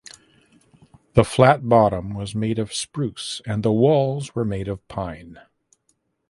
The flat bottom was made of spruce and the walls were made of pine.